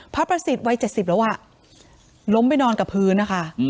พระประสิทธิ์วัย๗๐แล้วล้มไปนอนกับพื้นนะคะ